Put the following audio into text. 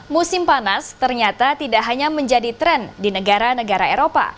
musim panas ternyata tidak hanya menjadi tren di negara negara eropa